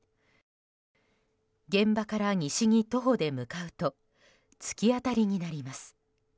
現場から西に徒歩で向かうと突き当たりになります。